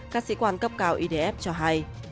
các sĩ quan cấp cao idf cho hay